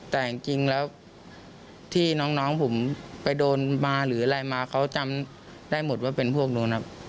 แต่จริงแล้วที่น้องผมไปโดนมาหรืออะไรมาเขาจำได้หมดว่าเป็นพวกนู้นครับ